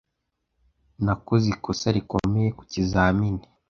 Nakoze ikosa rikomeye ku kizamini.